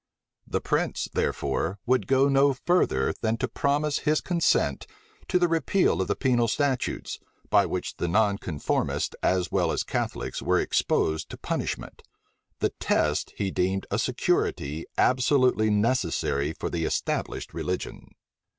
The prince, therefore, would go no further than to promise his consent to the repeal of the penal statutes, by which the nonconformists as well as Catholics were exposed to punishment: the test he deemed a security absolutely necessary for the established religion.